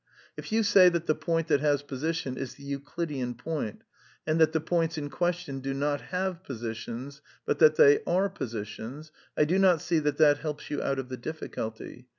If you say that the point that has position is the Euclidean point, and that the points in question do not have positions, hj^t t|iflf. thpy nrf pt^fg^'t^'^nff^ I do not see that that helps you out of the difficulty.